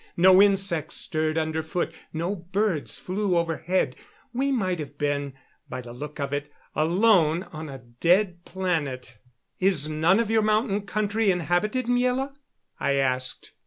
No insects stirred underfoot; no birds flew overhead. We might have been by the look of it alone on a dead planet. "Is none of your mountain country inhabited, Miela?" I asked.